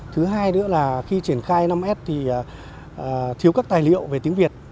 thứ hai nữa là khi triển khai năm s thì thiếu các tài liệu về tiếng việt